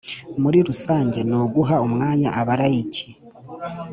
muri rusange, ni uguha umwanya abalayiki